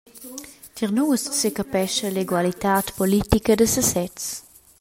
Tier nus secapescha l’egualitad politica da sesez.